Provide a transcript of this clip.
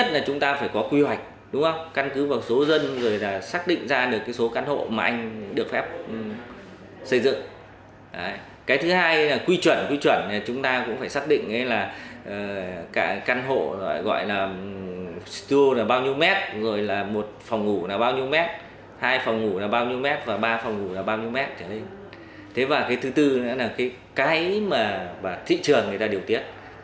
thứ tư là cái mà thị trường người ta điều tiết